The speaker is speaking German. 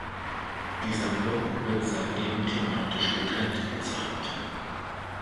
Die Sammlung wird seitdem thematisch getrennt gezeigt.